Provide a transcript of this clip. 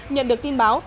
nhận được tin báo